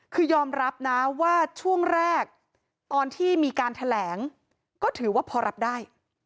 คือยอมรับนะว่าช่วงแรกตอนที่มีการแถลงก็ถือว่าพอรับได้